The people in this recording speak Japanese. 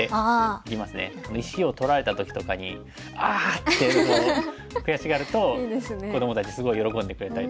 石を取られた時とかに「ああ！」って悔しがると子どもたちすごい喜んでくれたりとか。